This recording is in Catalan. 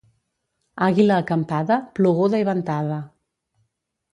Àguila acampada, ploguda i ventada.